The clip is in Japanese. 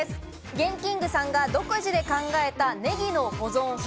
ＧＥＮＫＩＮＧ．さんが独自で考えたネギの保存法。